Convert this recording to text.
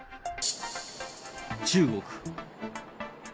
中国。